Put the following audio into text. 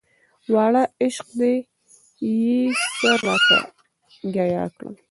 واړه عشق دی چې يې سر راته ګياه کړ